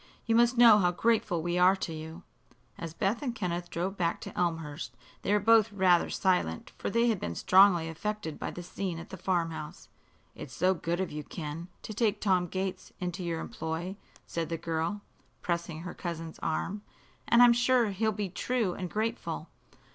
You must know how grateful we are to you." As Beth and Kenneth drove back to Elmhurst they were both rather silent, for they had been strongly affected by the scene at the farm house. "It's so good of you, Ken, to take Tom Gates into your employ," said the girl, pressing her cousin's arm. "And I'm sure he'll be true and grateful."